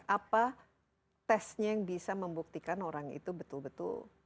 apa tesnya yang bisa membuktikan orang itu betul betul